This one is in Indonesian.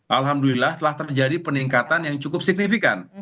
alhamdulillah telah terjadi peningkatan yang cukup signifikan